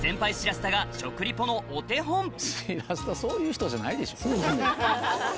スタそういう人じゃないでしょ。